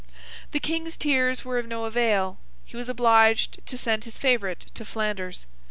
The King's tears were of no avail; he was obliged to send his favourite to Flanders.